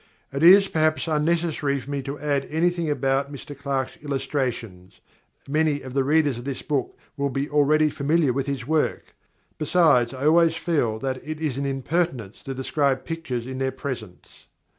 _ _It is, perhaps, unnecessary for me to add anything about Mr Clarke's illustrations. Many of the readers of this book will be already familiar with his work. Besides, I always feel that it is an impertinence to describe pictures in their presence.